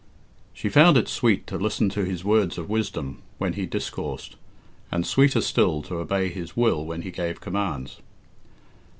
She found it sweet to listen to his words of wisdom when he discoursed, and sweeter still to obey his will when he gave commands.